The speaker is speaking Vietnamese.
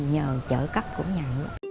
nhờ trợ cấp của nhà